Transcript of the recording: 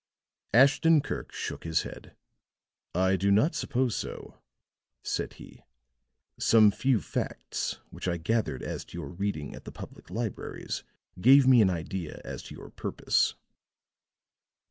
Ashton Kirk shook his head. "I do not suppose so," said he. "Some few facts which I gathered as to your reading at the public libraries gave me an idea as to your purpose."